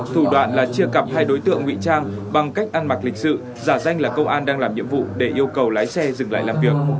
thủ đoạn là chia cặp hai đối tượng ngụy trang bằng cách ăn mặc lịch sự giả danh là công an đang làm nhiệm vụ để yêu cầu lái xe dừng lại làm việc